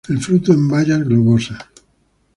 El fruto en bayas globosas.